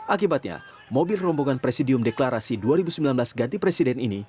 akibatnya mobil rombongan presidium deklarasi dua ribu sembilan belas ganti presiden ini